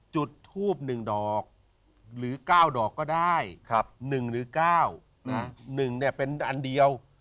จุดทูบหนึ่งดอกหรือเก้าดอกก็ได้หนึ่งหรือเก้าหนึ่งเนี่ยเป็นอันเดียว